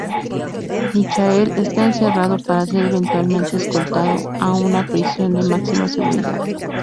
Michael está encerrado para ser eventualmente escoltado a una prisión de máxima seguridad.